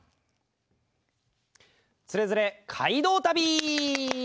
「つれづれ街道旅」！